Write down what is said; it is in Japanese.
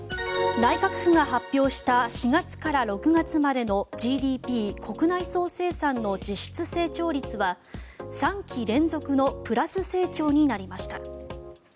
内閣府が発表した４月から６月までのＧＤＰ・国内総生産の実質成長率は３期連続のプラス成長になりました。